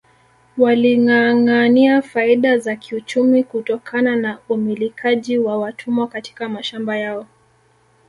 Walingâangâania faida za kiuchumi kutokana na umilikaji wa watumwa katika mashamba yao